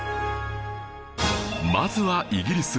まずはイギリス